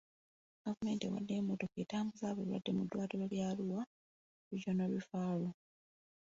Gavumenti ewaddeyo emmotoka etambuza abalwadde mu ddwaliro lya Arua regional referral.